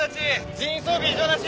人員装備異常なし